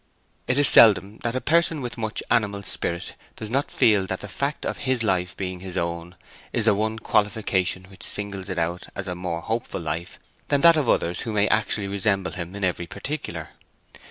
It is seldom that a person with much animal spirit does not feel that the fact of his life being his own is the one qualification which singles it out as a more hopeful life than that of others who may actually resemble him in every particular.